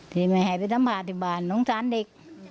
ทีนี้แม่ให้ไปสัมภาษณ์ที่บ้านน้องสารเด็ก